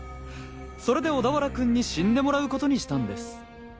それで小田原君に死んでもらう事にしたんです。